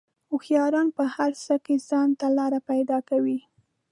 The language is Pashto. هوښیاران په هر څه کې ځان ته لار پیدا کوي.